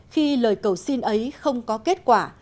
khi lời cầu xin ấy không có kết quả